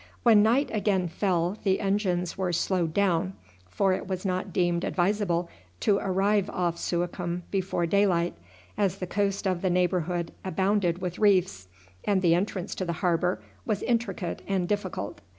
When night again fell the engines were slowed down, for it was not deemed advisable to arrive off Suakim before daylight, as the coast of the neighbourhood abounded with reefs, and the entrance to the harbour was intricate and difficult.